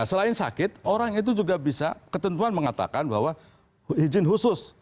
selain sakit orang itu juga bisa ketentuan mengatakan bahwa izin khusus